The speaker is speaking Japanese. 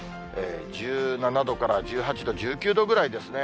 １７度から１８度、１９度ぐらいですね。